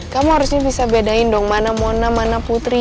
kamu harusnya bisa bedain dong mana mana putri